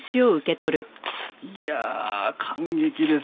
いやあ感激です！